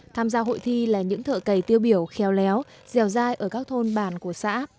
tham gia hội thi là những thợ cày tiêu biểu khéo léo dèo dai ở các thôn bàn của xã